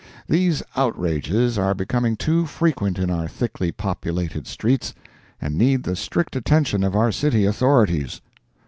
These outrages are becoming too frequent in our thickly populated streets, and need the strict attention of our city authorities.